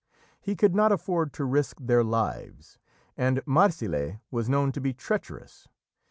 He could not afford to risk their lives, and Marsile was known to be treacherous.